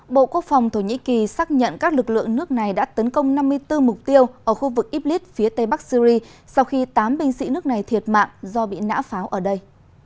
bộ quốc phòng thổ nhĩ kỳ xác nhận các lực lượng nước này đã tấn công năm mươi bốn mục tiêu ở khu vực iblis phía tây bắc syri sau khi tám binh sĩ nước này thiệt mạng do bị nã pháo ở đây